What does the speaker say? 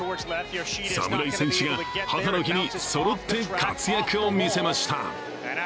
侍戦士が母の日にそろって活躍を見せました。